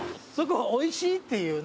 おいしいっていうね。